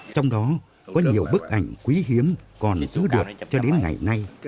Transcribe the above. trong đó có nhiều bức ảnh quý hiếm còn giữ được cho đến ngày nay